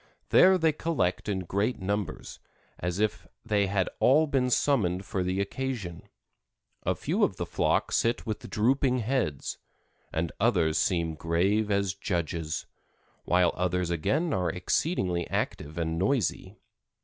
There they collect in great numbers, as if they had all been summoned for the occasion; a few of the flock sit with drooping heads, and others seem grave as judges, while others again are exceedingly active and noisy.